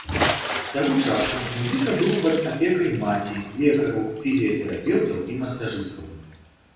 З таго часу музыка быў пад апекай маці, лекараў, фізіятэрапеўтаў і масажыстаў.